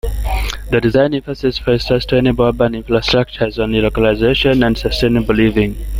The design emphasis for a sustainable urban infrastructure is on localization and sustainable living.